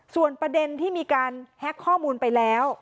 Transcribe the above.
ส่วนประเด็นที่มีการแฮ็กข้อมูลไปแล้ว